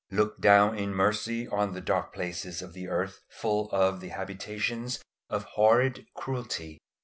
Look down in mercy on the dark places of the earth full of the habitations of horrid cruelty.